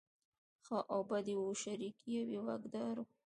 ښه او بد یې وو شریک یو یې واکدار و.